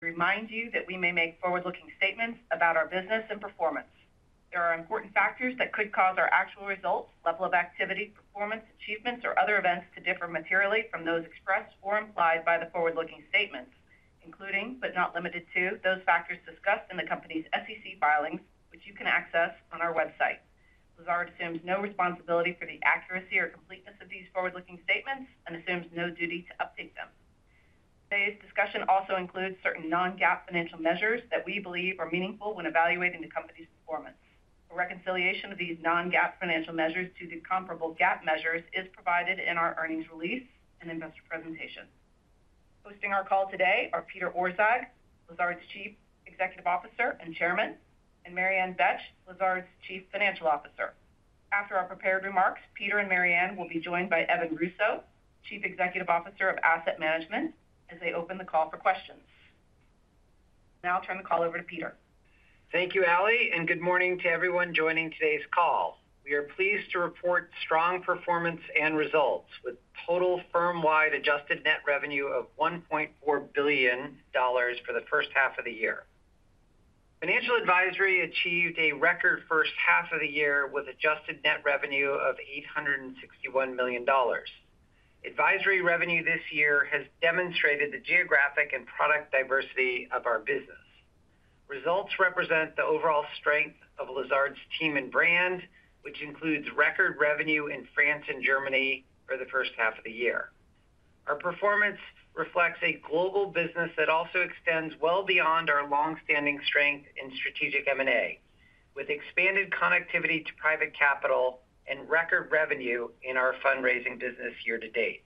There are important factors that could cause our actual results, level of activity, performance, achievements or other events to differ materially from those expressed or implied by the forward looking statements, including, but not limited to, those factors discussed in the company's SEC filings, which you can access on our website. Lazard assumes no responsibility for the accuracy or completeness of these forward looking statements and assumes no duty to update them. Today's discussion also includes certain non GAAP financial measures that we believe are meaningful when evaluating the company's performance. A reconciliation of these non GAAP financial measures to the comparable GAAP measures is provided in our earnings release and investor presentation. Hosting our call today are Peter Orzag, Lazard's Chief Executive Officer and Chairman and Mary Anne Bech, Lazard's Chief Financial Officer. After our prepared remarks, Peter and Mary Anne will be joined by Evan Russo, Chief Executive Officer of Asset Management as they open the call for questions. Now I'll turn the call over to Peter. Thank you, Allie, and good morning to everyone joining today's call. We are pleased to report strong performance and results with total firm wide adjusted net revenue of $1,400,000,000 for the first half of the year. Financial Advisory achieved a record first half of the year with adjusted net revenue of $861,000,000 Advisory revenue this year has demonstrated the geographic and product diversity of our business. Results represent the overall strength of Lazard's team and brand, which includes record revenue in France and Germany for the first half of the year. Our performance reflects a global business that also extends well beyond our long standing strength in strategic M and A with expanded connectivity to private capital and record revenue in our fundraising business year to date.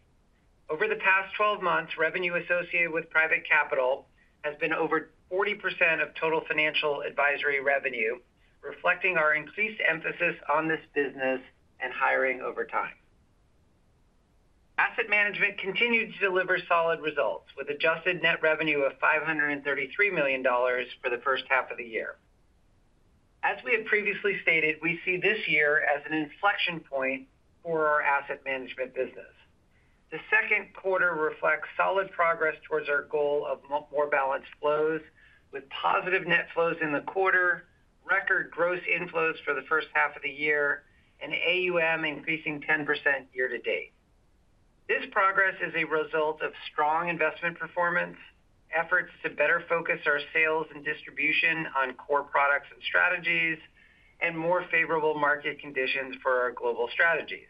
Over the past twelve months, revenue associated with private capital has been over 40% of total financial advisory revenue, reflecting our increased emphasis on this business and hiring over time. Asset Management continued to deliver solid results with adjusted net revenue of $533,000,000 for the first half of the year. As we had previously stated, we see this year as an inflection point for our Asset Management business. The second quarter reflects solid progress towards our goal of more balanced flows with positive net flows in the quarter, record gross inflows for the first half of the year and AUM increasing 10% year to date. This progress is a result of strong investment performance, efforts to better focus our sales and distribution on core products and strategies and more favorable market conditions for our global strategies.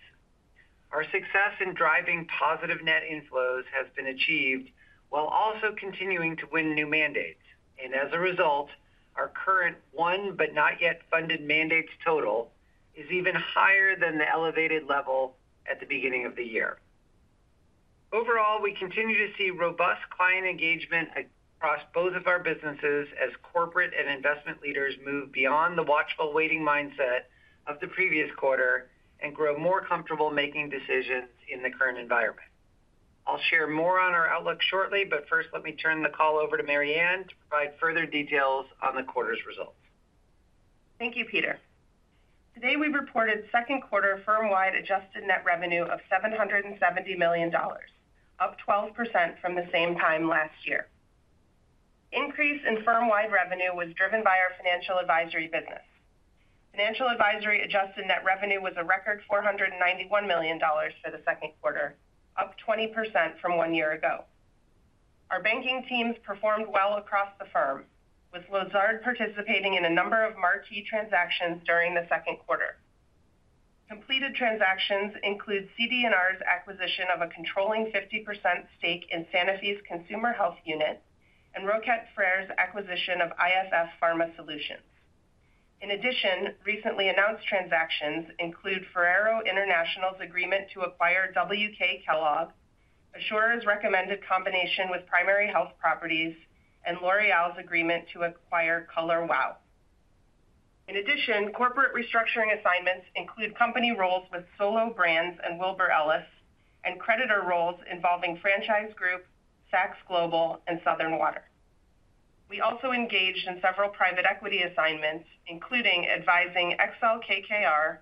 Our success in driving positive net inflows has been achieved while also continuing to win new mandates. And as a result, our current one but not yet funded mandates total is even higher than the elevated level at the beginning of the year. Overall, we continue to see robust client engagement across both of our businesses as corporate and investment leaders move beyond the watchful waiting mindset of the previous quarter and grow more comfortable making decisions in the current environment. I'll share more on our outlook shortly, but first let me turn the call over to Mary Anne to provide further details on the quarter's results. Thank you, Peter. Today, we reported second quarter firm wide adjusted net revenue of $770,000,000 up 12% from the same time last year. Increase in firm wide revenue was driven by our Financial Advisory business. Financial Advisory adjusted net revenue was a record $491,000,000 for the second quarter, up 20% from one year ago. Our banking teams performed well across the firm with Lazard participating in a number of marquee transactions during the second quarter. Completed transactions include CD and R's acquisition of a controlling 50% stake in Sanofi's consumer health unit and Rocat Freres acquisition of IFF Pharma Solutions. In addition, recently announced transactions include Ferrero International's agreement to acquire W. K. Kellogg, Assure's recommended combination with Primary Health Properties and L'Oreal's agreement to acquire Color Wow. In addition, corporate restructuring assignments include company roles with Solo Brands and Wilbur Ellis and creditor roles involving Franchise Group, Saks Global and Southern Water. We also engaged in several private equity assignments, including advising XL KKR,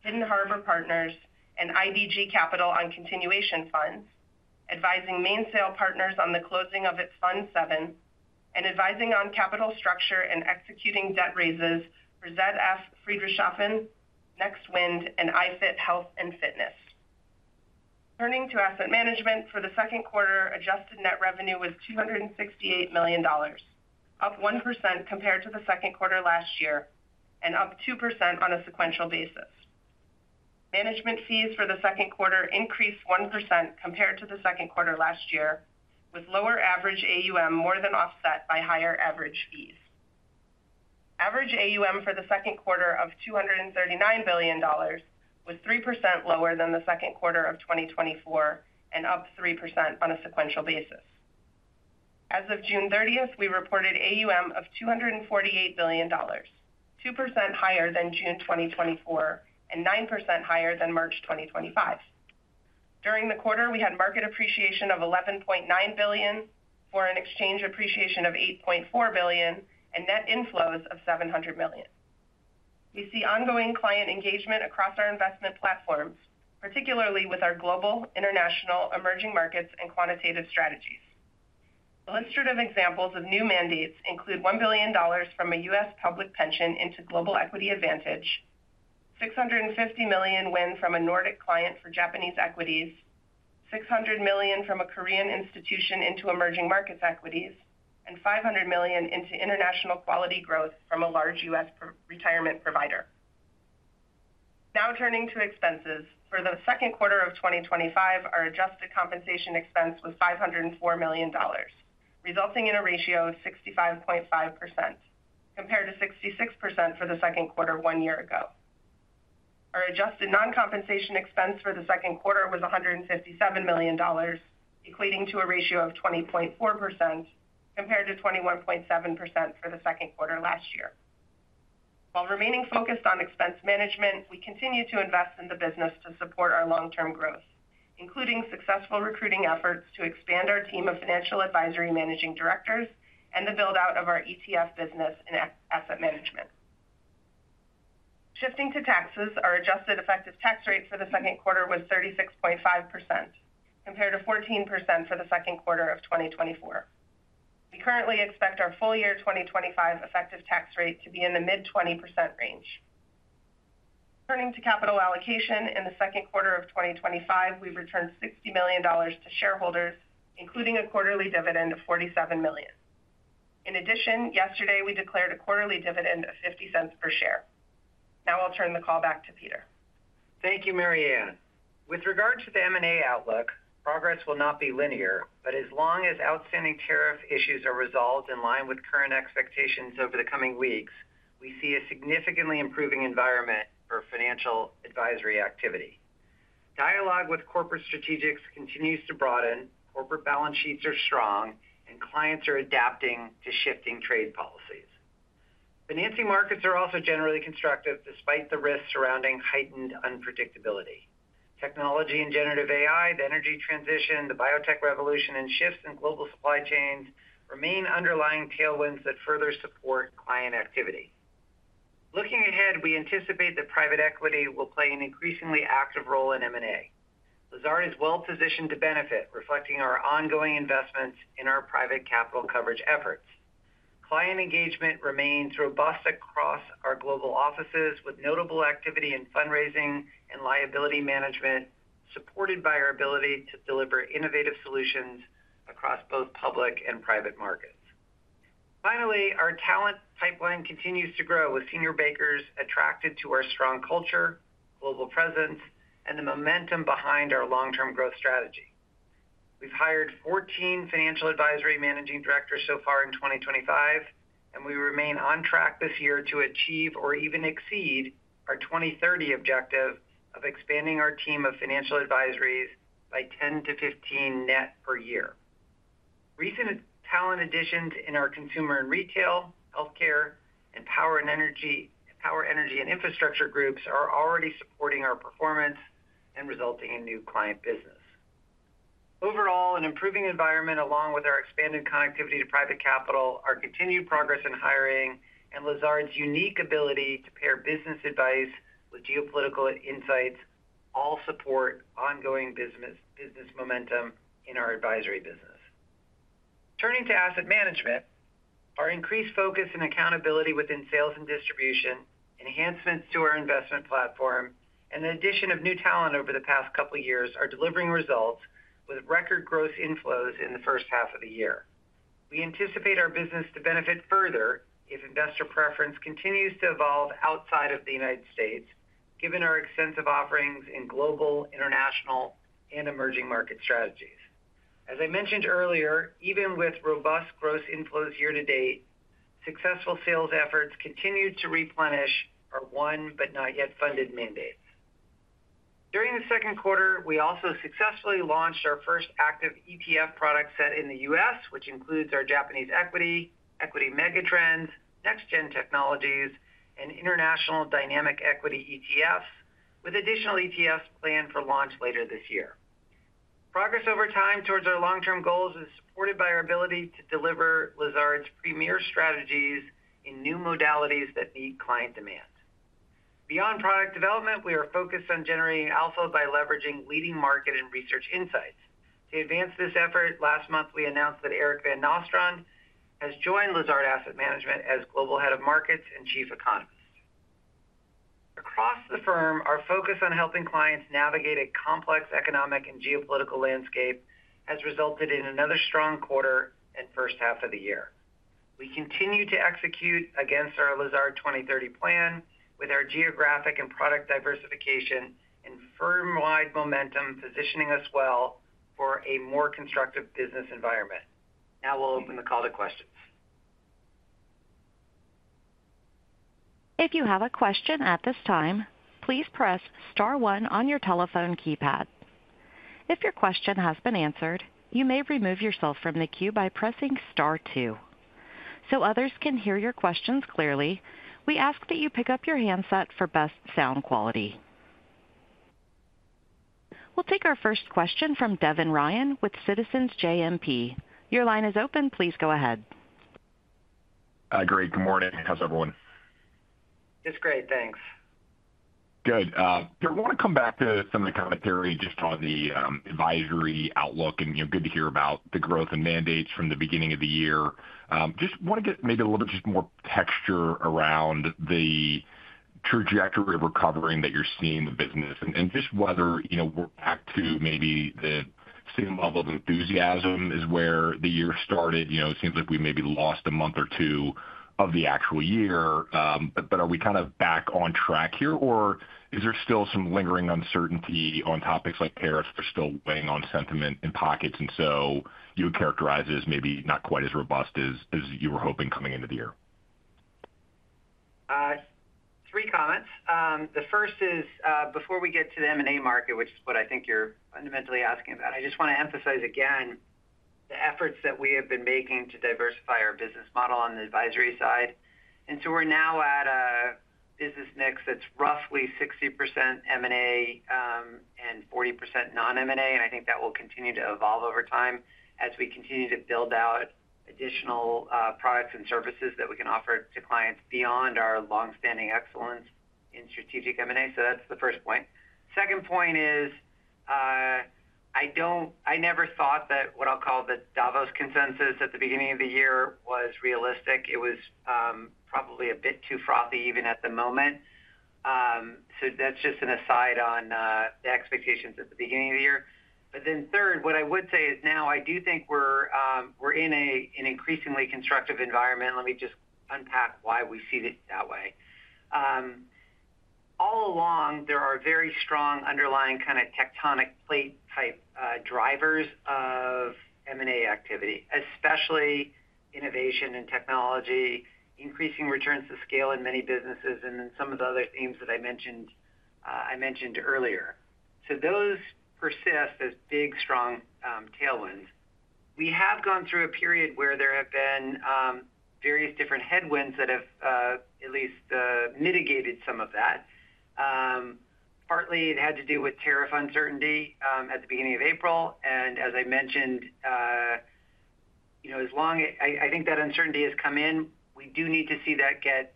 Hidden Harbor Partners and IDG Capital on continuation funds, advising Main Sale Partners on the closing of its Fund VII and advising on capital structure and executing debt raises for ZF Friedrichshafen, Next Wind and iFit Health and Fitness. Turning to asset management for the second quarter, adjusted net revenue was $268,000,000 up one percent compared to the second quarter last year and up 2% on a sequential basis. Management fees for the second quarter increased 1% compared to the second quarter last year with lower average AUM more than offset by higher average fees. Average AUM for the second quarter of $239,000,000,000 was 3% lower than the 2024 and up 3% on a sequential basis. As of June 30, we reported AUM of $248,000,000,000 2% higher than June 2024 and nine percent higher than March 2025. During the quarter, we had market appreciation of $11,900,000,000 foreign exchange appreciation of $8,400,000,000 and net inflows of $700,000,000 We see ongoing client engagement across our investment platforms, particularly with our global, international, emerging markets and quantitative strategies. Illustrative examples of new mandates include $1,000,000,000 from a U. S. Public pension into Global Equity Advantage, $650,000,000 win from a Nordic client for Japanese equities, 600,000,000 from a Korean institution into emerging markets equities and $500,000,000 into international quality growth from a large U. S. Retirement provider. Now turning to expenses. For the second quarter of twenty twenty five, our adjusted compensation expense was $5.00 $4,000,000 resulting in a ratio of 65.5% compared to 66% for the second quarter one year ago. Our adjusted non compensation expense for the second quarter was $157,000,000 equating to a ratio of 20.4% compared to 21.7% for the second quarter last year. While remaining focused on expense management, we continue to invest in the business to support our long term growth, including successful recruiting efforts to expand our team of financial advisory managing directors and the build out of our ETF business in asset management. Shifting to taxes, our adjusted effective tax rate for the second quarter was 36.5% compared to 14% for the second quarter of twenty twenty four. We currently expect our full year 2025 effective tax rate to be in the mid-twenty percent range. Turning to capital allocation. In the second quarter of twenty twenty five, we've returned $60,000,000 to shareholders including a quarterly dividend of 47,000,000 In addition, yesterday, we declared a quarterly dividend of $0.50 per share. Now I'll turn the call back to Peter. Thank you, Mary Anne. With regards to the M and A outlook, progress will not be linear, but as long as outstanding tariff issues are resolved in line with expectations over the coming weeks, we see a significantly improving environment for financial advisory activity. Dialogue with corporate strategics continues to broaden, corporate balance sheets are strong and clients are adapting to shifting trade policies. Financing markets are also generally constructive despite the risks surrounding heightened unpredictability. Technology and generative AI, the energy transition, the biotech revolution and shifts in global supply chains remain underlying tailwinds that further support client activity. Looking ahead, we anticipate that private equity will play an increasingly active role in M and A. Lazari is well positioned to benefit reflecting our ongoing investments in our private capital coverage efforts. Client engagement remains robust across our global offices with notable activity in fundraising and liability management supported by our ability to deliver innovative solutions across both public and private markets. Finally, our talent pipeline continues to grow with senior bankers attracted to our strong culture, global presence and the momentum behind our long term growth strategy. We've hired 14 financial advisory managing directors so far in 2025 and we remain on track this year to achieve or even exceed our 2030 objective of expanding our team of financial advisories by 10 to 15 net per year. Recent talent additions in our consumer and retail, healthcare and power and energy power energy and infrastructure groups are already supporting our performance and resulting client business. Overall, an improving environment along with our expanded connectivity to private capital, our continued progress in hiring and Lazard's unique ability to pair business advice with geopolitical insights all support ongoing business momentum in our advisory business. Turning to asset management, our increased focus and accountability within sales and distribution, enhancements to our investment platform and the addition of new talent over the past couple of years are delivering results with record gross inflows in the first half of the year. We anticipate our business to benefit further if investor preference continues to evolve outside of The United States given our extensive offerings in global, international and emerging market strategies. As I mentioned earlier, even with robust gross inflows year to date, successful sales efforts continued to replenish our one but not yet funded mandate. During the second quarter, we also successfully launched our first active ETF product set in The U. S, which includes our Japanese equity, equity megatrends, next gen technologies and international dynamic equity ETFs with additional ETFs planned for launch later this year. Progress over time towards our long term goals is supported by our ability to deliver Lazard's premier strategies in new modalities that meet client demand. Beyond product development, we are focused on generating alpha by leveraging leading market and research insights. To advance this effort, last month we announced that Eric Van Nostrand has joined Lazard Asset Management as Global Head of Markets and Chief Economist. Across the firm, our focus on helping clients navigate a complex economic and geopolitical landscape has resulted in another strong quarter and first half of the year. We continue to execute against our Lazard 2030 plan with our geographic and product diversification and firm wide momentum positioning us well for a more constructive business environment. Now we'll open the call to questions. We'll take our first question from Devin Ryan with Citizens JMP. Line is open. Please go ahead. Great. Good morning. How's everyone? It's great. Thanks. Good. I want to come back to some of the commentary just on the advisory outlook and good to hear about the growth in mandates from the beginning of the year. Just want to get maybe a little bit just more texture around the trajectory of recovering that you're seeing in the business and just whether we're back to maybe the same level of enthusiasm is where the year started. It seems like we maybe lost a month or two of the actual year. But are we kind of back on track here? Or is there still some lingering uncertainty on topics like tariffs that are still weighing on sentiment in pockets and so you would characterize this maybe not quite as robust as you were hoping coming into the year? Three comments. The first is before we get to the M and A market, which is what I think you're fundamentally asking about, I just want to emphasize again the efforts that we have been making to diversify our business model on the advisory side. And so we're now at a business mix that's roughly 60% M and A and 40% non M and A. And I think that will continue to evolve over time as we continue to build out additional products and services that we can offer to clients beyond our long standing excellence in strategic M and A. So that's the first point. Second point is, I don't I never thought that what I'll call the Davos consensus at the beginning of the year was realistic. It was probably a bit too frothy even at the moment. So that's just an aside on the expectations at the beginning of the year. But then third, what I would say is now I do think we're in an increasingly constructive environment. Let me just unpack why we see it that way. All along, there are very strong underlying kind of tectonic plate type drivers of M and A activity, especially innovation and technology, increasing returns to scale in many businesses and then some of the other themes that I mentioned earlier. So those persist as big strong tailwinds. We have gone through a period where there have been various different headwinds that have at least mitigated some of that. Partly it had to do with tariff uncertainty at the April. And as I mentioned, as long I think that uncertainty has come in, we do need to see that get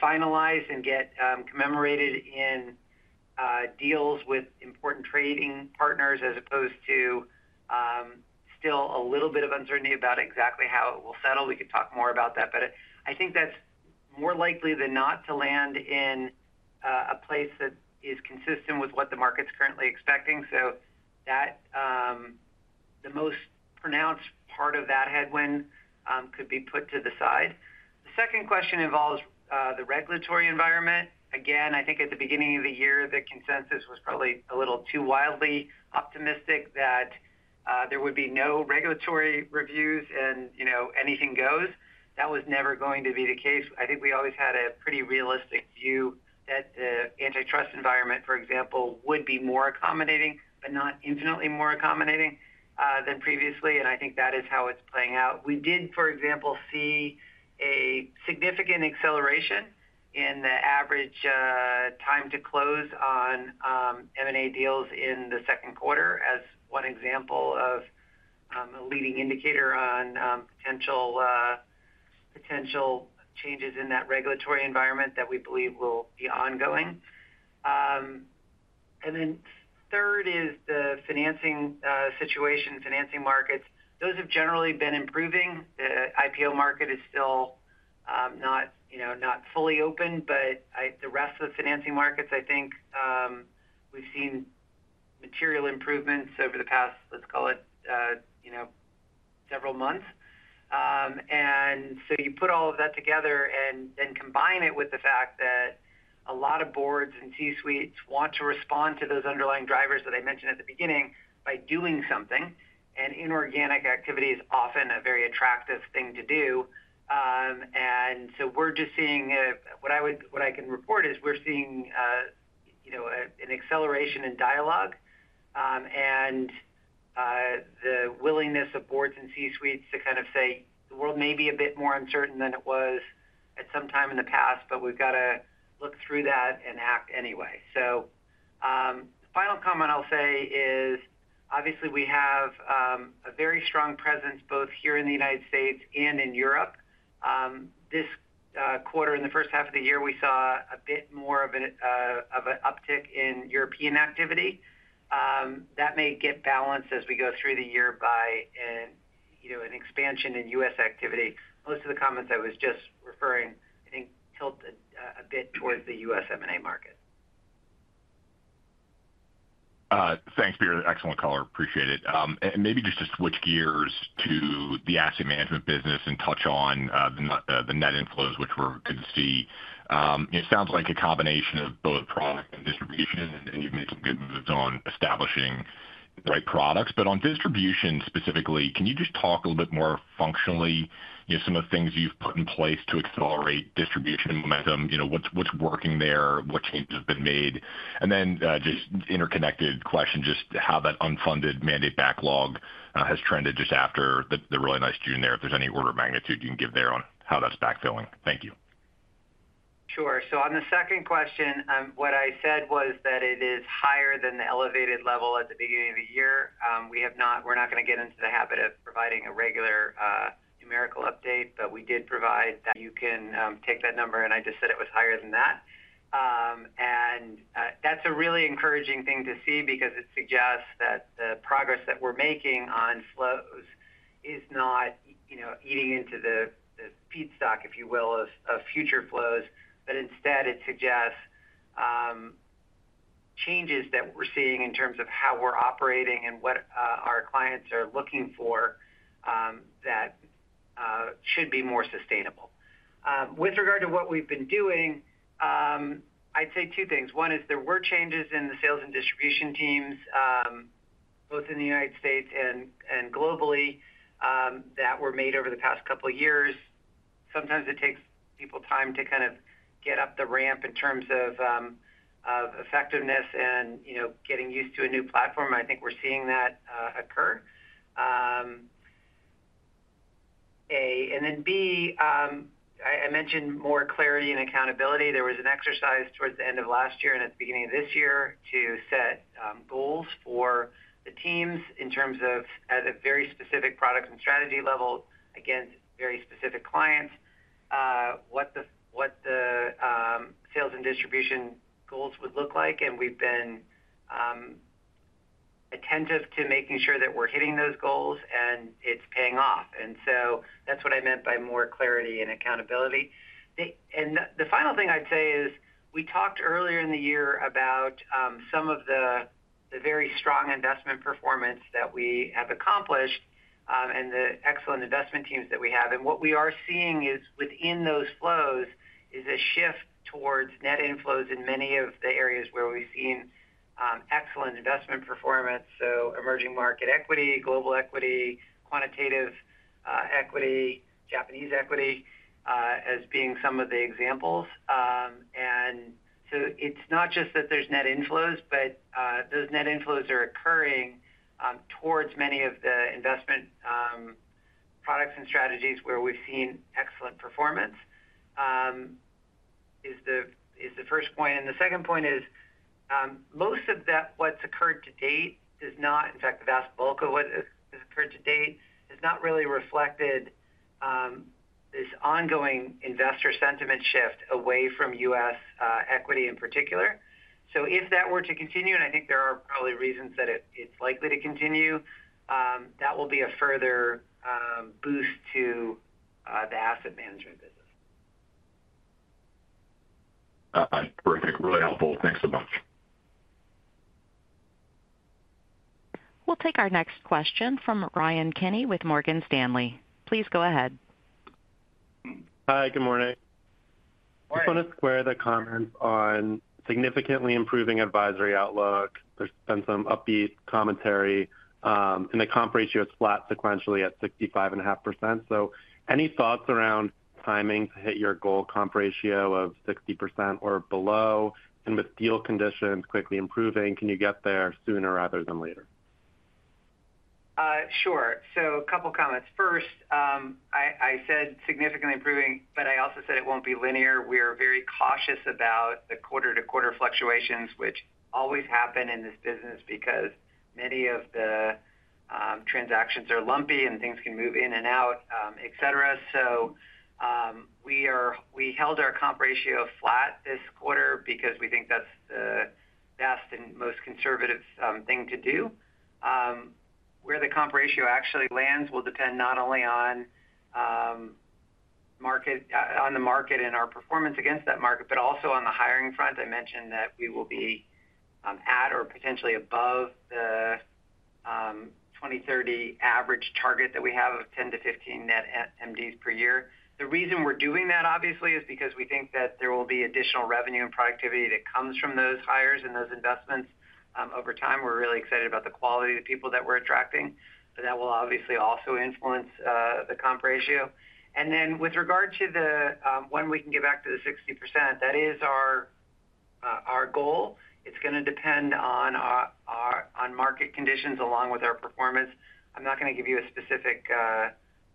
finalized and get commemorated in deals with important trading partners as opposed to still a little bit of uncertainty about exactly how it will settle. We could talk more about that. But I think that's more likely than not to land in a place that is consistent with what the market is currently expecting. So that the most pronounced part of that headwind could be put to the side. The second question involves the regulatory environment. Again, think at the beginning of the year, the consensus was probably a little too wildly optimistic that there would be no regulatory reviews and anything goes. That was never going to be the case. I think we always had a pretty realistic view that antitrust environment for example would be more accommodating, but not infinitely more accommodating than previously. And I think that is how it's playing out. We did for example see a significant acceleration in the average time to close on M and A deals in the second quarter as one example of a leading indicator on potential changes in that regulatory environment that we believe will be ongoing. And then third is the financing situation, financing markets. Those have generally been improving. The IPO market is still not fully open, but the rest of the financing markets, think we've seen material improvements over the past, let's call it several months. And so you put all of that together and combine it with the fact that a lot of Boards and C suites want to respond to those underlying drivers that I mentioned at the beginning by doing something and inorganic activity is often a very attractive thing to do. And so we're just seeing what I can report is we're seeing an acceleration in dialogue and the willingness of Boards and C suites to kind of say, the world may be a bit more uncertain than it was at some time in the past, but we've got to look through that and act anyway. So, final comment I'll say is, obviously we have a very strong presence both here in The United States and in Europe. This quarter in the first half of the year, we saw a bit more of an uptick in European activity. That may get balanced as we go through the year by an expansion in U. S. Activity. Most of the comments I was just referring I think tilted a bit towards The U. S. M and A market. Thanks, Peter. Excellent color. Appreciate it. And maybe just to switch gears to the asset management business and touch on the net inflows, which we're good to see. It sounds like a combination of both product and distribution, and you've made some good moves on establishing the right products. But on distribution specifically, can you just talk a little bit more functionally some of the things you've put in place to accelerate distribution momentum? What's working there? What changes have been made? And then just interconnected question, just how that unfunded mandate backlog has trended just after the really nice June there, if there's any order of magnitude you can give there on how that's backfilling? Thank you. Sure. So on the second question, what I said was that it is higher than the elevated level at the beginning of the year. We have not we're not going to get the habit of providing a regular numerical update, but we did provide that you can take that number and I just said it was higher than that. And that's a really encouraging thing to see because it suggests that the progress that we're making on flows is not eating into the feedstock if you will of future flows, but instead it suggests changes that we're seeing in terms of how we're operating and what our clients are looking for that should be more sustainable. With regard to what we've been doing, I'd say two things. One is there were changes in the sales and distribution teams both in The United States and globally, that were made over the past couple of years. Sometimes it takes people time to kind of get up the ramp in terms of effectiveness and getting used to a new platform. I think we're seeing that occur, A. And then B, I mentioned more clarity and accountability. There was an exercise towards the end of last year and at the beginning of this year to set goals for the teams in terms of at a very specific product and strategy level against very specific clients, what the sales and distribution goals would look like and we've been attentive to making sure that we're hitting those goals and it's paying off. And so that's what I meant by more clarity and accountability. And the final thing I'd say is we talked earlier in the year about, some of the very strong investment performance that we have accomplished, and the excellent investment teams that we have. And what we are seeing is within those flows is a shift towards net inflows in many of the areas where we've seen excellent investment performance. So emerging market equity, global equity, quantitative equity, Japanese equity as being some of the examples. And so it's not just that there's net inflows, but those net inflows are occurring towards many of the investment products and strategies where we've seen excellent performance is the first point. And the second point is most of that what's occurred to date is not in fact the vast bulk of what has occurred to date has not really reflected this ongoing investor sentiment shift away from U. S. Equity in particular. So if that were to continue and I think there are probably reasons that it's likely to continue, that will be a further boost to the asset management business. Perfect. Really helpful. Thanks so much. We'll take our next question from Ryan Kinney with Morgan Stanley. Please go ahead. Hi, good morning. Morning. Just want to square the comments on significantly improving advisory outlook. There's been some upbeat commentary, and the comp ratio is flat sequentially at 65.5%. So any thoughts around timing to hit your goal comp ratio of 60% or below? And with deal conditions quickly improving, can you get there sooner rather than later? Sure. So a couple of comments. First, I said significantly improving, I also said it won't be linear. We are very cautious about the quarter to quarter fluctuations, which always happen in this business because many of the transactions are lumpy and things can move in and out, etcetera. So we are we held our comp ratio flat this quarter because we think that's the best and most conservative thing to do. Where the comp ratio actually lands will depend not only on the market and our performance against that market, but also on the hiring front. I mentioned that we will be at or potentially above the 2,030 average target that we have of 10 to 15 net MDs The reason we're doing that obviously is because we think that there will be additional revenue and productivity that comes from those hires and those investments. Over time, we're really excited about the quality of the people that we're attracting, but that will obviously also influence the comp ratio. And then with regard to the when we can get back to the 60% that is our goal. It's going to depend on market conditions along with our performance. I'm not going to give you a specific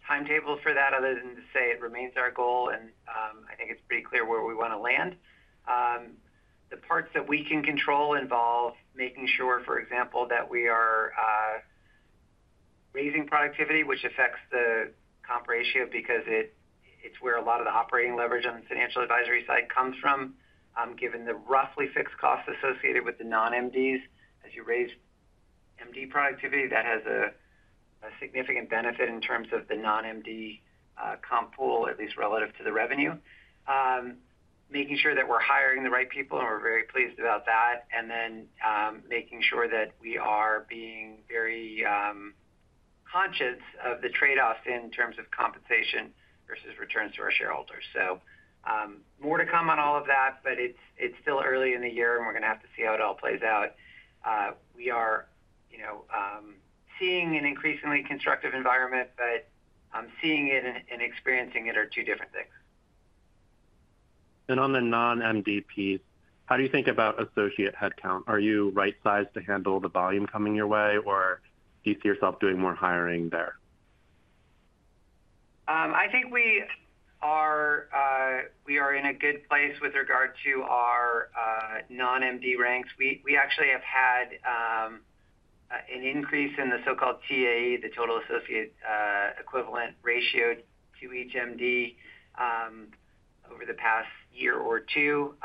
timetable for that other than to say it remains our goal and I think it's pretty clear where we want to land. The parts that we can control involve making sure for example that we are raising productivity, which affects the comp ratio because it's where a lot of the operating leverage on the financial advisory side comes from, given the roughly fixed costs associated with the non MDs as you raise MD productivity that has a significant benefit in terms of the non MD comp pool at least relative to the revenue. Making sure that we're hiring the right people and we're very pleased about that and then, making sure that we are being very conscious of the trade offs in terms of compensation versus returns to our shareholders. So, more to come on all of that, but it's still early in the year and we're going to have to see it all plays out. We are seeing an increasingly constructive environment, but seeing it and experiencing it are two different things. And on the non MDP, do you think about associate headcount? Are you right sized to handle the volume coming your way? Or do you see yourself doing more hiring there? I think we are in a good place with regard to our non MD ranks. We actually have had an increase in the so called TAE, the total associate equivalent ratio to each MD over the past year or two.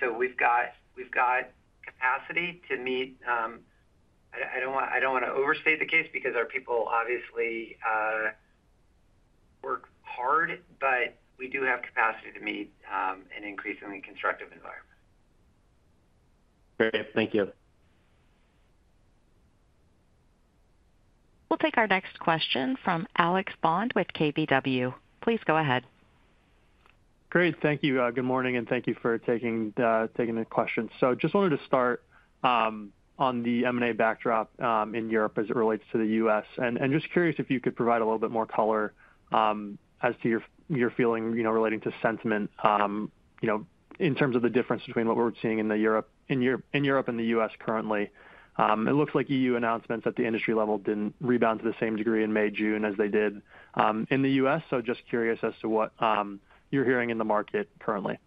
So we've capacity to meet I want to overstate the case because our people obviously work hard, but we do have capacity to meet an increasingly constructive environment. Okay. Thank you. We'll take our next question from Alex Bond with KBW. Please go ahead. Great. Thank you. Good morning and thank you for taking the questions. So just wanted to start on the M and A backdrop in Europe as it relates to The U. S. And just curious if you could provide a little bit more color as to your feeling relating to sentiment in terms of the difference between what we're seeing in Europe and The U. S. Currently. It looks like EU announcements at the industry level didn't rebound to the same degree in May, June as they did in The U. S. So just curious as to what you're hearing in the market currently?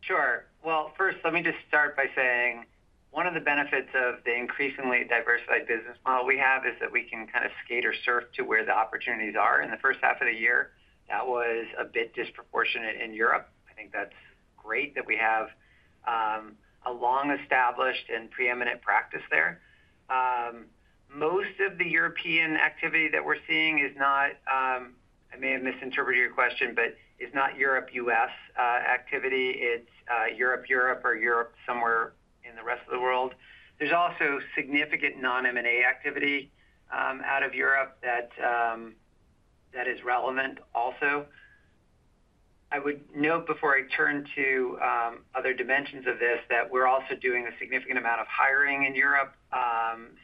Sure. Well, first let me just start by saying one of the benefits of the increasingly diversified business model we have is that we can kind of skater surf to where the opportunities are in the first half of the year. That was a bit disproportionate in Europe. I think that's great that we have a long established and preeminent practice there. Most of the European activity that we're seeing is not I may have misinterpreted your question, but it's not Europe U. S. Activity, it's Europe Europe or Europe somewhere in the rest of the world. There's also significant non M and A activity out of Europe that is relevant also. I would note before I turn to other dimensions of this that we're also doing a significant amount of hiring in Europe.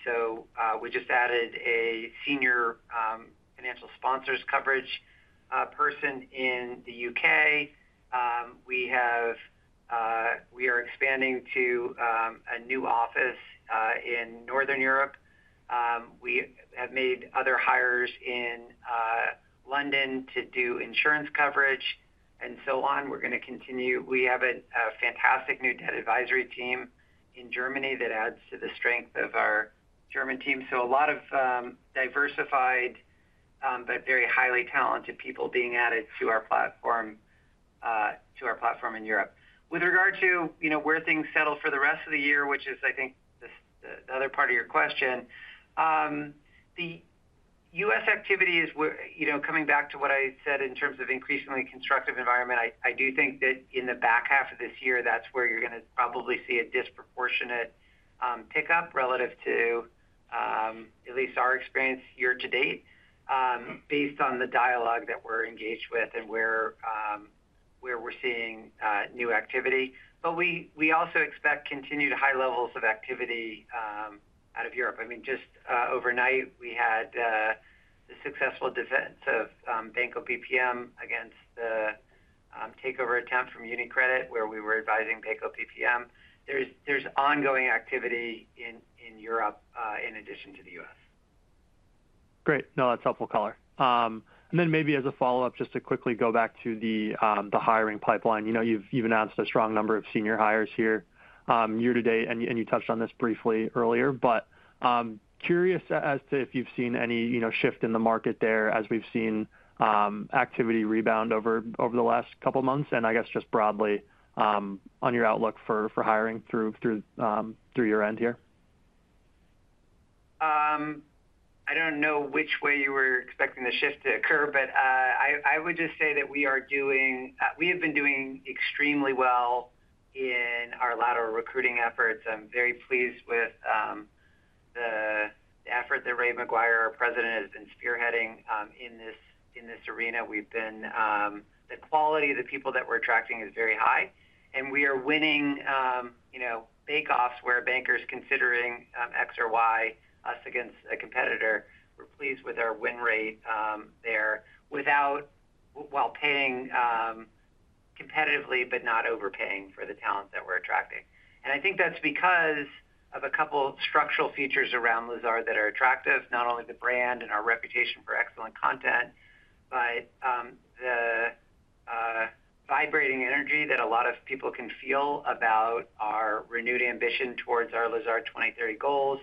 So we just added a senior financial sponsors coverage person in The UK. We have we are expanding to a new office in Northern Europe. We have made other hires in London to do insurance coverage and so on. We're going to continue we have a fantastic new debt advisory team in Germany that adds to the strength of our German team. So a lot of diversified, but very highly talented people being added to our platform in Europe. With regard to where things settle for the rest of the year, which is I think the other part of your question, The U. S. Activity is coming back to what I said in terms of increasingly constructive environment. Do think that in the back half of this year, that's where you're going to probably see a disproportionate pickup relative to at least our experience year to date based on the dialogue that we're engaged with and where we're seeing new activity. But we also expect continued high levels of activity out of Europe. Mean just overnight, we had the successful defense of Banco PPM against the takeover attempt from UniCredit, where we were advising Banco PPM. There's ongoing activity in Europe in addition to The U. S. Great. No, that's helpful color. And then maybe as a follow-up, to quickly go back to the hiring pipeline. You've announced a strong number of senior hires here year to date and you touched on this briefly earlier. But curious as to if you've seen any shift in the market there as we've seen activity rebound over the last couple of months and I guess just broadly on your outlook for hiring through year end here? I don't know which way you were expecting the shift to occur, but I would just say that we are doing we have been doing extremely well in our lateral recruiting efforts. I'm very pleased with effort that Ray Maguire, our President has been spearheading in this arena. We've been the quality of the people that we're attracting is very high. And we are winning bake offs where bankers considering X or Y us against a competitor. We're pleased with our win rate there without while paying competitively, but not overpaying for the talent that we're attracting. And I think that's because of a couple of structural features around Lazard that are attractive, not only the brand and our reputation for excellent content, but the vibrating energy that a lot of people can feel about our renewed ambition towards our Lazard 2030 goals,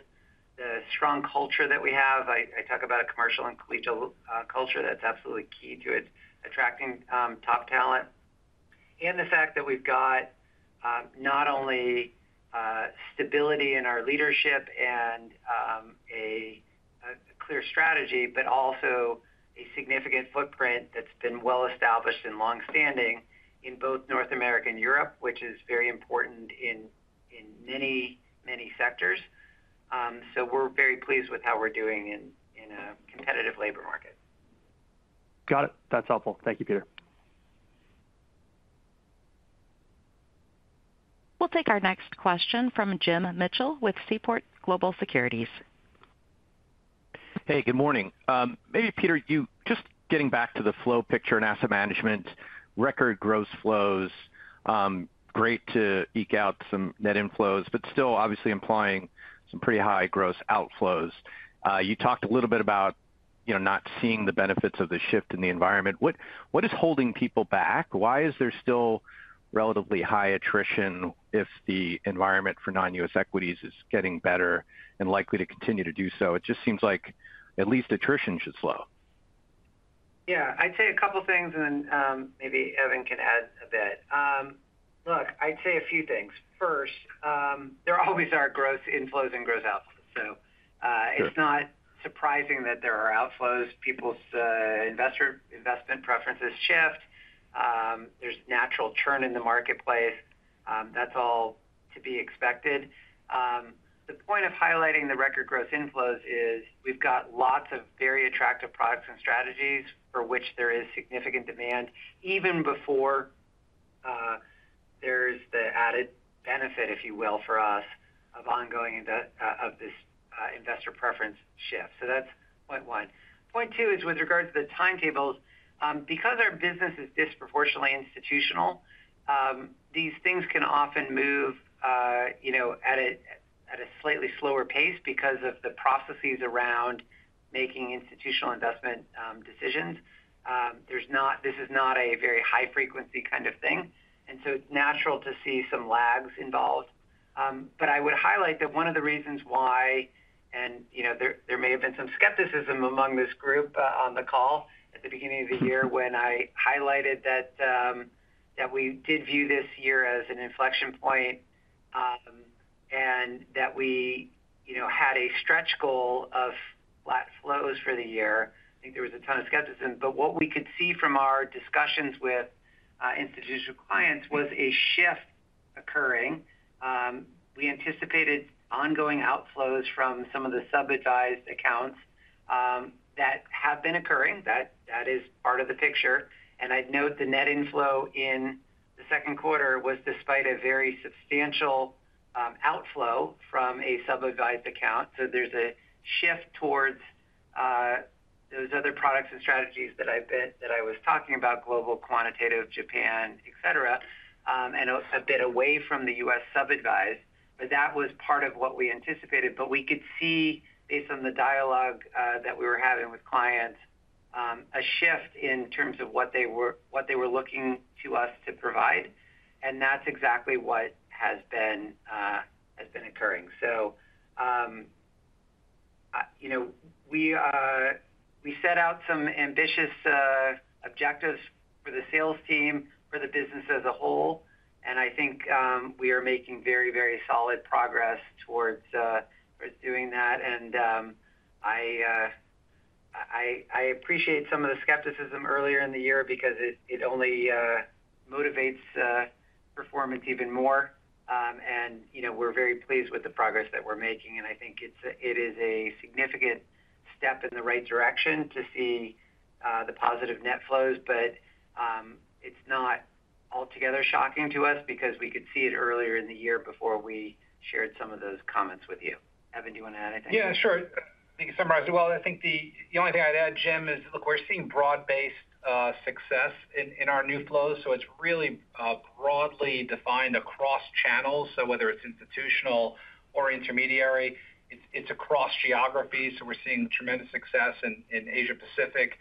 the strong culture that we have, I talk about a commercial and collegial culture that's absolutely key to it, attracting top talent. And the fact that we've got not only stability in our leadership and a clear strategy, but also a significant footprint that's been well established and longstanding in both North America and Europe, which is very important in many, many sectors. So we're very pleased with how we're doing in a competitive labor market. Got it. That's helpful. Thank you, Peter. We'll take our next question from Jim Mitchell with Seaport Global Securities. Hey, good morning. Maybe Peter, you just getting back to the flow picture in Asset Management, record gross flows, great to eke out some net inflows, but still obviously implying some pretty high gross outflows. You talked a little bit about not seeing the benefits of the shift in the environment. What is holding people back? Why is there still relatively high attrition if the environment for non U. S. Equities is getting better and likely to continue to do so? It just seems like at least attrition should slow. Yes. I'd say a couple of things and then maybe Evan can add a bit. Look, I'd say a few things. First, there always are growth inflows and growth outflows. It's not that there are outflows, people's investor investment preferences shift, there's natural churn in the marketplace, that's all to be expected. The point of highlighting the record gross inflows is we've got lots of very attractive products and strategies for which there is significant demand even before there is the added benefit, if you will, for us of ongoing of this investor preference shift. So that's point one. Point two is with regards to the timetables, because our business is disproportionately institutional, these things can often move at a slightly slower pace because processes around making institutional investment decisions. There's not this is not a very high frequency kind of thing. And so it's natural to see some lags involved. But I would highlight that one of the reasons why and there may have been some skepticism among this group on the call at the beginning of the year when I highlighted that we did view this year as an inflection point and that we had a stretch goal of flat flows for the year. I think there was a ton of skepticism, but what we could see from our discussions with institutional clients was a shift occurring. We anticipated ongoing outflows from some of the sub advised accounts that have been occurring. That is part of the picture. And I'd note the net inflow in the second quarter was despite a very substantial outflow from a sub advised account. So there's a shift towards those other products and strategies that I was talking about global quantitative Japan, etcetera, and a bit away from The U. S. Sub advised. But that was part of what we anticipated. But we could see based on the dialogue that we were having with clients, a shift in terms of what they were looking to us to provide. And that's exactly what has been occurring. So we set out some ambitious objectives for the sales team, for the business as a whole. And I think we are making making very, very solid progress towards doing that. And I appreciate some of the skepticism earlier in the year because it only motivates performance even more. And we're very pleased with the progress that we're making. And I think it is a significant step in the right direction to see the positive net flows. But it's not altogether shocking to us because we could see it earlier in the year before we shared some of those comments with you. Evan, do you want to add anything? Yes, sure. I think you summarized it well. I think the only thing I'd add Jim is, look, we're seeing broad based success in our new flows. So it's really broadly defined across channels. So whether it's institutional or intermediary, it's across geographies. So we're seeing tremendous success in Asia Pacific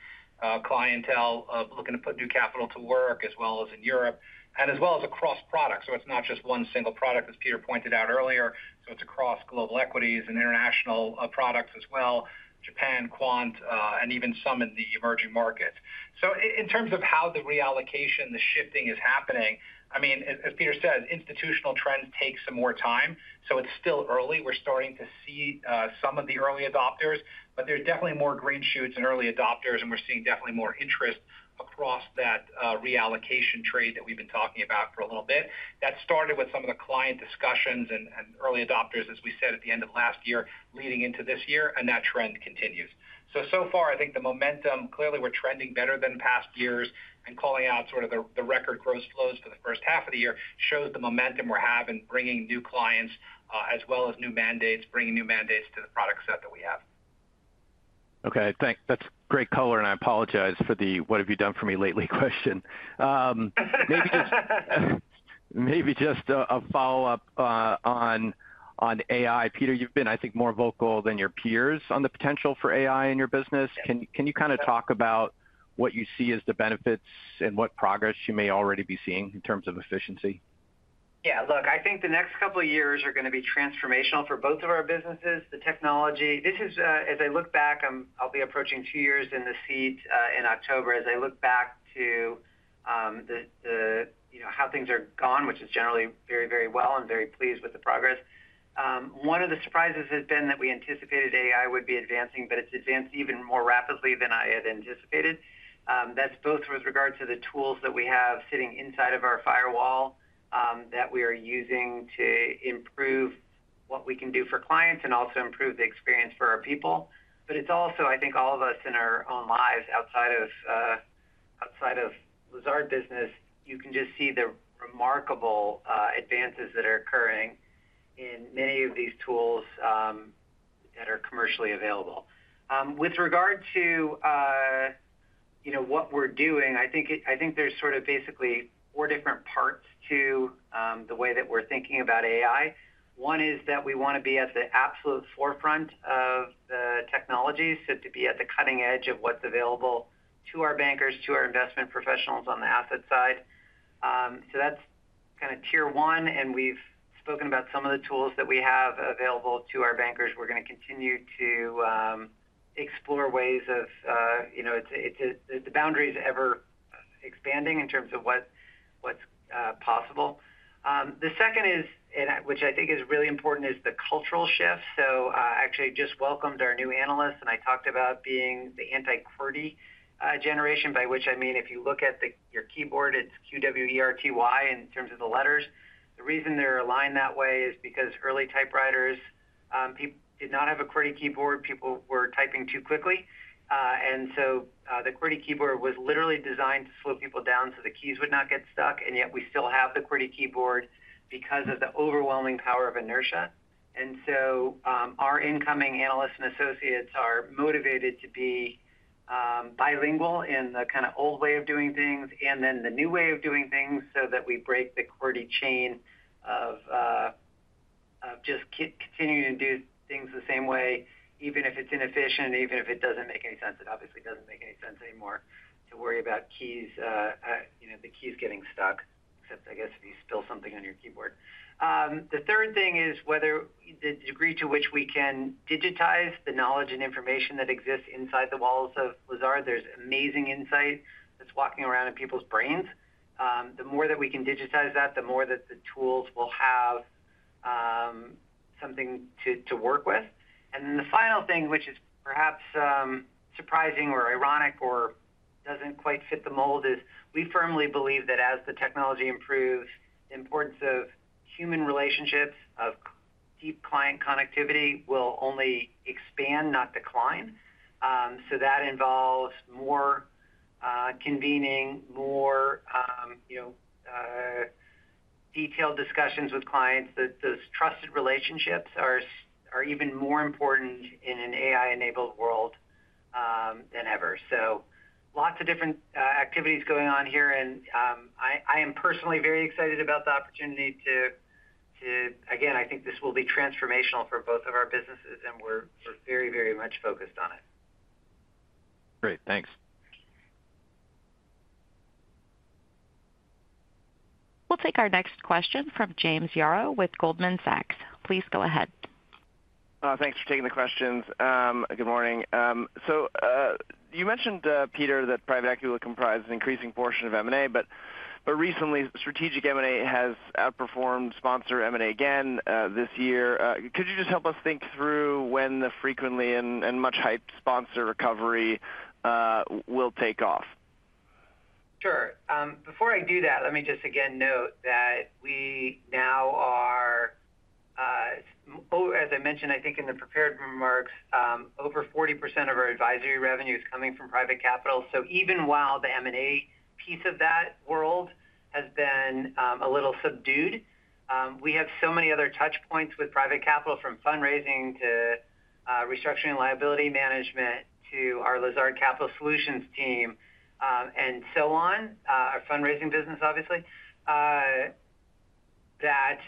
clientele looking to put new capital to work as well as in Europe and as well as across products. It's not just one single product, as Peter pointed out earlier. So it's across global equities and international products as well, Japan, quant and even some in the emerging markets. So in terms of how the reallocation, the shifting is happening, I mean, as Peter said, institutional trends take some more time. So it's still early. We're starting to see some of the early adopters, but there are definitely more green shoots in early adopters, and we're seeing definitely more interest across that reallocation trade that we've been talking about for a little bit. That started with some of the client discussions and early adopters, as we said at the end of last year, leading into this year, and that trend continues. So, so far, I think the momentum clearly, we're trending better than past years and calling out sort of the record gross flows for the first half of the year shows the momentum we're having bringing new clients as well as new mandates, bringing new mandates to the product set that we have. Okay. That's great color. I apologize for the what have you done for me lately question. Maybe just a follow-up on AI. Peter, you've been I think more vocal than your peers on the potential for AI in your business. Can you kind of talk about you see as the benefits and what progress you may already be seeing in terms of efficiency? Yes. Look, I think the next couple of years are going to be transformational for both of our businesses. The technology this is as I look back, I'll be approaching two years in the seat in October. As I look back to how things are gone, which is generally very, very well. I'm very pleased with the progress. One of the surprises has been that we anticipated AI would be advancing, but it's advanced even more rapidly than I had anticipated. That's both with regard to the tools that we have sitting inside of our firewall, that we are using to improve what we can do for clients and also improve the experience for our people. But it's also I think all of us in our own lives outside of Lazard business, you can just see the remarkable advances that are occurring in many of these tools that are commercially available. With regard to what we're doing, I think there's sort of basically four different parts to the way that we're thinking about AI. One is that we want to be at the absolute forefront of the technologies, so to be at the cutting edge of what's available to our bankers, to our investment professionals on the asset side. So that's kind of Tier one and we've spoken about some of the tools that we have available to our bankers. We're going to continue to explore ways of the boundaries ever expanding in terms of what's possible. The second is, which I think is really important is the cultural shift. So actually just welcomed our new analysts and I talked about being the anti QWERTY generation by which I mean if you look at your keyboard, it's QWERTY in terms of the letters. The reason they're aligned that way is because early typewriters did not have a QWERTY keyboard, people were typing too quickly. And so the QWERTY keyboard was literally designed to slow people down so the keys would not get stuck and yet we still have the QWERTY keyboard because of the overwhelming power of inertia. And so, our incoming analysts and associates are motivated to be, bilingual in the old way of doing things and then the new way of doing things so that we break the QWERTY chain of just continuing to do things the same way even if it's inefficient, even if it obviously doesn't make any sense anymore to worry about keys the keys getting stuck, except I guess if you spill something on your keyboard. The third thing is whether the degree to which we can digitize the knowledge and information that exists inside the walls of Lazard. There's amazing insight that's walking around in people's brains. The more that we can digitize that, the more that the tools will have something to work with. And then the final thing, which is perhaps surprising or ironic or doesn't quite fit the mold is we firmly believe that as the technology improves, the importance of human relationships of deep client connectivity will only expand not decline. So that involves more convening, more detailed discussions with clients that those trusted relationships are even more important in an AI enabled world than ever. So lots of different activities going on here. And I am personally very excited about the opportunity to again, I think this will be transformational for both of our businesses and we're very, very much focused on it. Great. Thanks. We'll take our next question from James Yarrow with Goldman Sachs. Please go ahead. Thanks for taking the questions. Good morning. So you mentioned, Peter, that private equity will comprise an increasing portion of M and A, recently strategic M and A has outperformed sponsor M and A again this year. Could you just help us think through when the frequently and much hyped sponsor recovery will take off? Sure. Before I do that, let me just again note that we now are as I mentioned I think in the prepared remarks, over 40% of our advisory revenue is coming from private capital. So even while the M and A piece of that world has been, a little subdued, We have so many other touch points with private capital from fundraising to restructuring liability management to our Lazard Capital Solutions team and so on, our fundraising business obviously that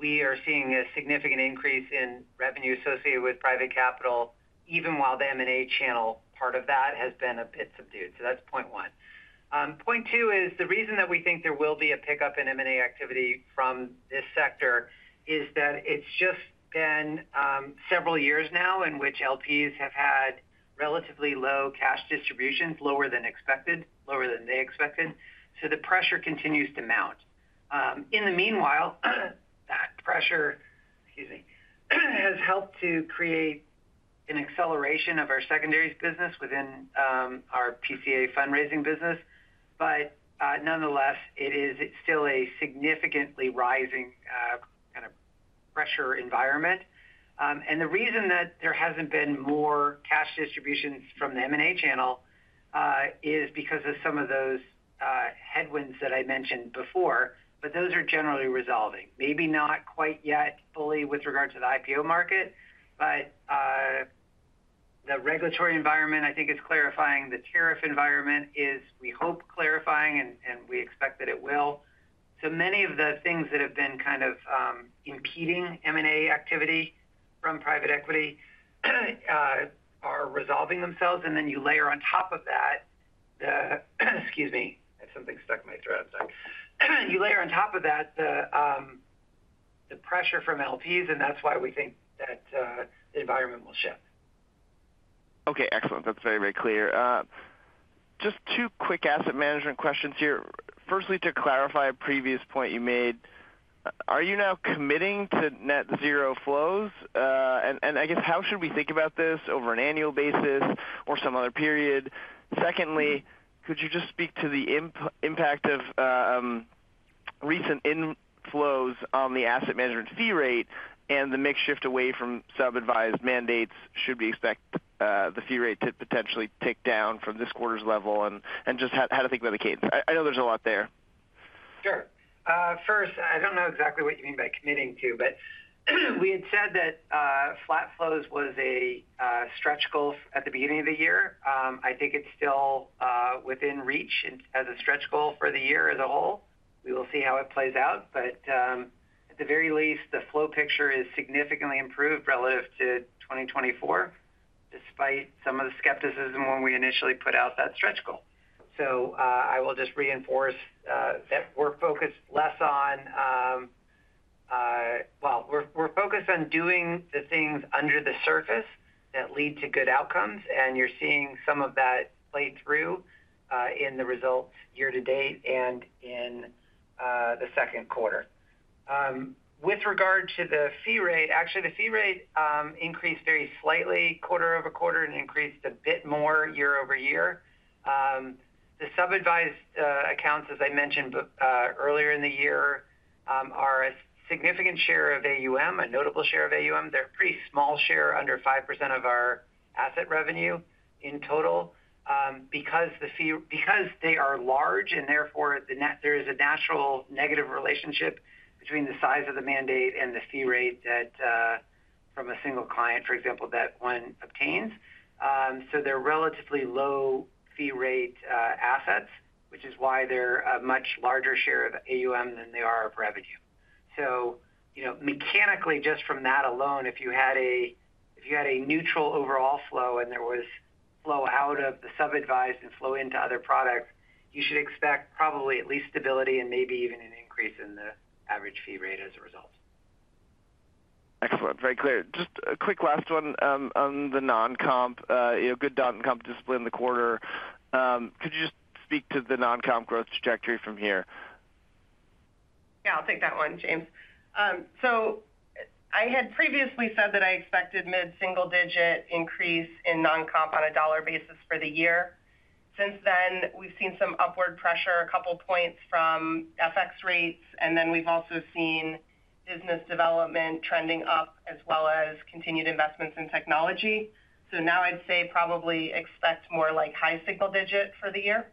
we are seeing a significant increase in revenue associated with private capital even while the M and A channel part of that has been a bit subdued. So that's point one. Point two is the reason that we think there will be a pickup in M and A activity from this sector is that it's just been several years now in which LPs have had relatively low cash distributions lower than expected, lower than they expected. So the pressure continues to mount. In the meanwhile, that pressure has helped to create an acceleration of our secondaries business within our PCA fundraising business. But nonetheless, it is still a significantly rising kind of pressure environment. And the reason that there hasn't been more cash distributions from the M and A channel is because of some of those headwinds that I mentioned before, but those are generally resolving. Maybe not quite yet fully with regard to the IPO market, But the regulatory environment, I think it's clarifying the tariff environment is we hope clarifying and we expect that it will. So many of the things that have been kind of impeding M and A activity from private equity are resolving themselves. And then you layer on top of that excuse me, something stuck in my throat. Layer on top of that the pressure from LPs and that's why we think that the environment will shift. Okay, excellent. That's very, very clear. Just two quick asset management questions here. Firstly, to clarify a previous point you made, are you now committing to net zero flows? And I guess how should we think about this over an annual basis or some other period? Secondly, could you just speak to the impact of recent in flows on the asset management fee rate and the mix shift away from sub advised mandates should we expect the fee rate to potentially tick down from this quarter's level and just how to think about the cadence? I know there's a lot there. Sure. First, I don't know exactly what you mean by committing to, but we had said that flat flows was a stretch goal at the beginning of the year. I think it's still within reach and as a stretch goal for the year as a whole. We will see how it plays out. But at the very least, the flow picture is significantly improved relative to 2024 despite some of the skepticism when we initially put out that stretch goal. So I will just reinforce that we're focused less on well, we're focused on doing the things under the surface that lead to good outcomes and you're seeing some of that play through in the results year to date and in the second quarter. With regard to the fee rate, actually the fee rate increased very slightly quarter over quarter and increased a bit more year over year. The sub advised accounts as I mentioned earlier in the year, are a significant share of AUM, a notable share of AUM. They're pretty small share under 5% of our asset revenue in total, because they are large and therefore there is a natural negative relationship between the size of the mandate and the fee rate that from a single client, for example, that one obtains. So they're relatively low fee rate assets, which is why they're a much larger share of AUM than they are of revenue. So mechanically, just from that alone, you had a neutral overall flow and there was flow out of the sub advised and flow into other products, you should expect probably at least stability and maybe even an increase in the average fee rate as a result. Excellent. Very clear. Just a quick last one on the non comp, good comp discipline in the quarter. Could you just speak to the non comp growth trajectory from here? Yes. I'll take that one, James. So I had previously said that I expected mid single digit increase in non comp on a dollar basis for the year. Since then, we've seen some upward pressure a couple of points from FX rates and then we've also seen business development trending up as well as continued investments in technology. So now I'd say probably expect more like high single digit for the year.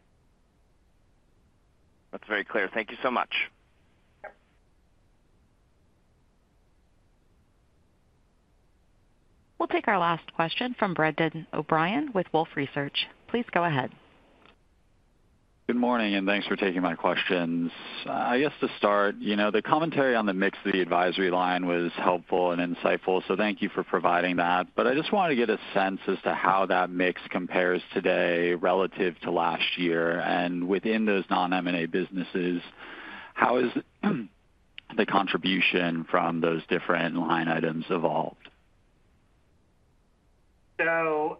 That's very clear. Thank you so much. We'll take our last question from Brendan O'Brien with Wolfe Research. Please go ahead. Good morning and thanks for taking my questions. I guess to start, the commentary on the mix of the advisory line was helpful and insightful. So thank you for providing that. But I just wanted to get a sense as to how that mix compares today relative to last year. And within those non M and A businesses, how is the contribution from those different line items evolved? So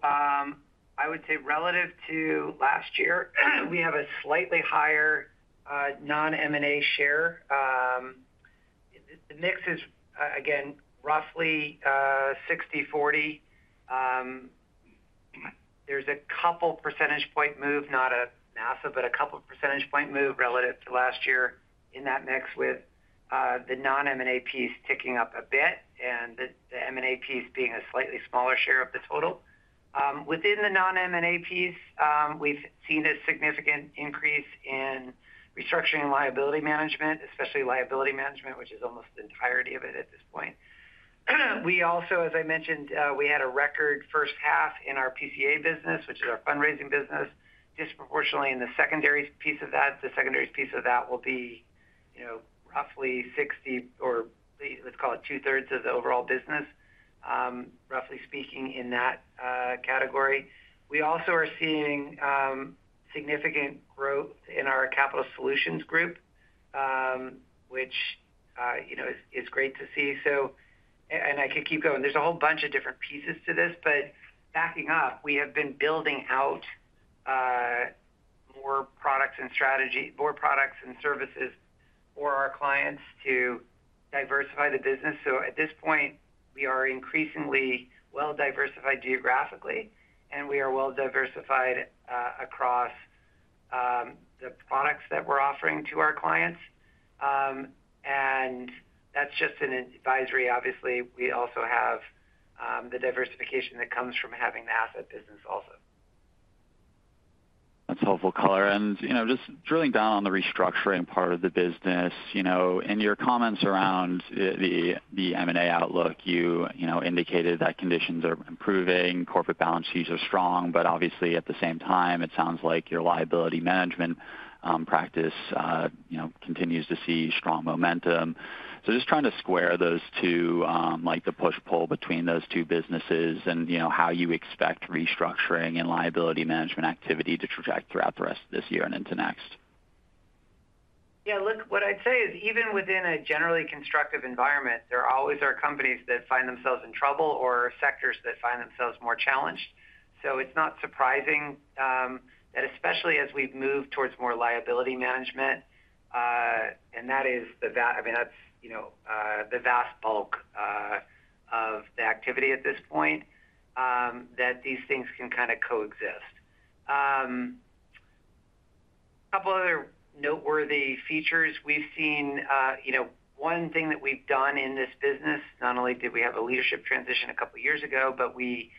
I would say relative to last year, we have a slightly higher non M and A share. The mix is again roughly sixty-forty. There's a couple percentage point move not a massive, but a couple percentage point move relative to last year in that mix with the non M and A piece ticking up a bit and the M and A piece being a slightly smaller share of the total. Within the non M and A piece, we've seen a significant increase in restructuring and liability management, especially liability management, which is almost the entirety of it at this point. We also, as I mentioned, we had a record first half in our PCA business, which is our fundraising business, disproportionately in the secondary piece of that. The secondary piece of that will be roughly 60% or let's call it two thirds of the overall business, roughly speaking in that category. We also are seeing significant growth in our capital solutions group, which is great to see. So and I could keep going. There's a whole bunch of different pieces to this, but backing up, we have been building out more products and strategy more products and services for our clients to diversify the business. So at this point, we are increasingly well diversified geographically and we are well diversified across the products that we're offering to our clients. And that's just an advisory obviously. We also have the diversification that comes from having the asset business also. That's helpful color. And just drilling down on the restructuring part of the business, in your comments around the M and A outlook, you indicated that conditions are improving, corporate balance sheets are strong, but obviously at the same time, it sounds like your liability management practice continues to see strong momentum. So just trying to square those two, like the push pull between those two businesses and how you expect restructuring and liability management activity to traject throughout the rest of this year and into next? Yes. Look, what I'd say is even within a generally constructive environment, there always are companies that find themselves in trouble or sectors that find themselves more challenged. So it's not surprising that especially as we've moved towards more liability management and that is the I mean, that's the vast bulk of the activity at this point that these things can kind of coexist. Couple of other noteworthy features we've seen, one thing that we've done in this business, not only did we have a leadership transition a couple of years ago, but we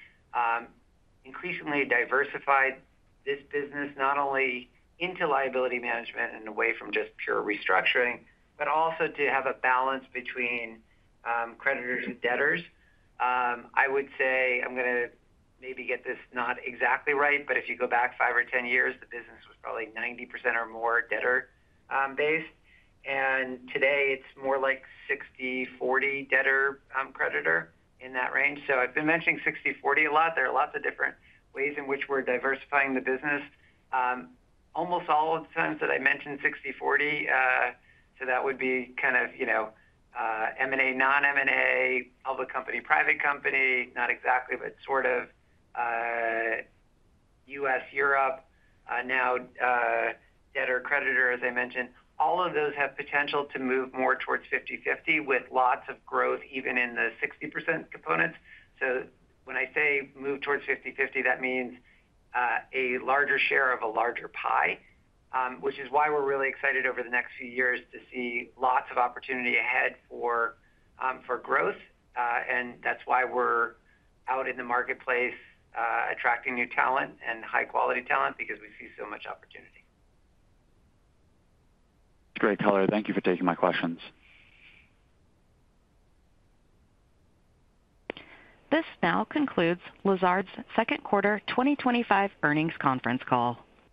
increasingly diversified this business not only into liability management and away from just pure restructuring, but also to have a balance between creditors and debtors. I would say, I'm going to maybe get this not exactly right, but if you go back five or ten years, was probably 90% or more debtor based. And today, it's more like sixty-forty debtor creditor in that range. So I've been mentioning sixty-forty a lot. There are lots of different ways in which we're diversifying the business. Almost all of the sense that I mentioned sixty-forty, so that would be kind of M and A, non M and A, public company, private company, not exactly, but sort of U. S, Europe, now debtor creditor, as I mentioned, all of those have potential to move more towards fifty-fifty with lots of growth even in the 60% components. So when I say move towards fifty-fifty that means a larger share of a larger pie, which is why we're really excited over the next few years to see lots of opportunity ahead for growth. And that's why we're out in the marketplace attracting new talent and high quality talent because we see so much opportunity. Great color. Thank you for taking my questions. This now concludes Lazard's second quarter twenty twenty five earnings conference call.